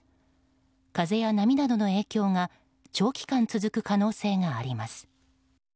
風や波などの影響が長期間続く可能性があります。